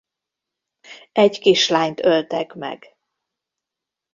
Egy kislányt öltek meg.